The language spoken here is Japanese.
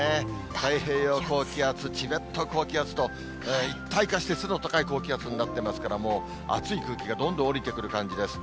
太平洋高気圧、チベット高気圧と、一体化して背の高い高気圧になってますから、もう、暑い空気がどんどん降りてくる感じです。